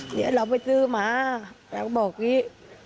เดี๋ยวเราไปซื้อมาเราก็บอกอย่างนี้